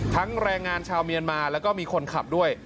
แรงงานชาวเมียนมาแล้วก็มีคนขับด้วย